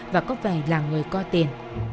và có vẻ là người có tiền